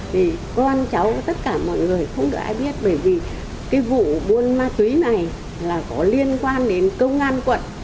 thì con cháu tất cả mọi người không được ai biết bởi vì cái vụ buôn ma túy này là có liên quan đến công an quận